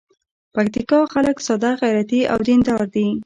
پکتیکا خلک ساده، غیرتي او دین دار دي.